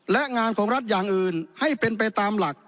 และงานของรัฐอย่างอื่นให้เป็นไปตามหลัก